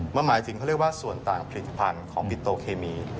มันหมายถึงเขาเรียกว่าส่วนต่างผลิตภัณฑ์ของปิโตเคมี